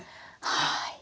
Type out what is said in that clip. はい。